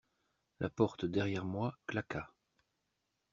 La porte, derrière moi, claqua.